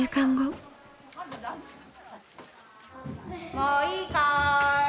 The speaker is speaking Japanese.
もういいかい。